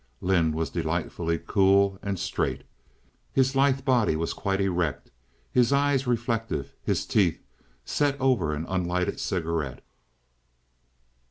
Lynde was delightfully cool and straight. His lithe body was quite erect, his eyes reflective, his teeth set over an unlighted cigarette.